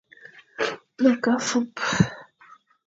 Ma ke afup.